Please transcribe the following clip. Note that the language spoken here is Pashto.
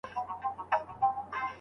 او بې جوړې زيارت ته راشه زما واده دی گلې